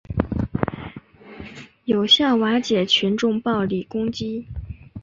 有效瓦解群众暴力攻击